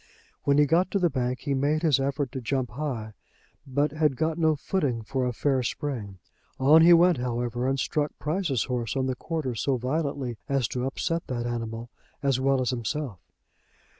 When he got to the bank he made his effort to jump high, but had got no footing for a fair spring. On he went, however, and struck Price's horse on the quarter so violently as to upset that animal, as well as himself.